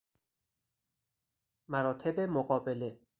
مراتب مقابله